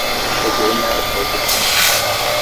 Cheguei no aeroporto de Congonhas